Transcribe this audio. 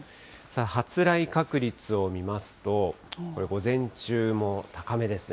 発雷確率を見ますと、午前中も高めですね。